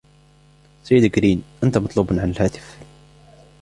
سيد غرين ، أنت مطلوب على الهاتف.